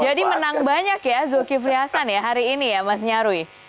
jadi menang banyak ya zulkifli hasan ya hari ini ya mas nyarwi